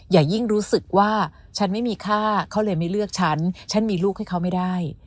อย่ายิ่งรู้สึกว่าฉันไม่มีค่าเขาเลยไม่เลือกฉันฉันมีลูกให้เขาไม่ได้